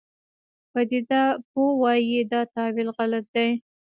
پدیده پوه وایي دا تاویل غلط دی.